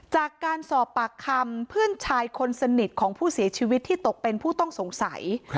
จากการสอบปากคำเพื่อนชายคนสนิทของผู้เสียชีวิตที่ตกเป็นผู้ต้องสงสัย